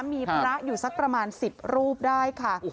มีพระอยู่สักประมาณ๑๐รูปได้ค่ะ